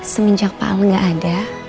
semenjak pak ale gak ada